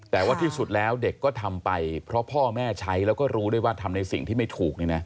แต่ว่าที่สุดแล้วเด็กก็ทำไปเพราะพ่อแม่ใช้แล้วก็รู้ด้วยว่าทำในสิ่งที่ไม่ถูก